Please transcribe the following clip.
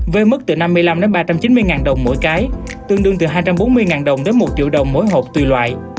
với mức từ năm mươi năm đến ba trăm chín mươi đồng mỗi cái tương đương từ hai trăm bốn mươi đồng đến một triệu đồng mỗi hộp tùy loại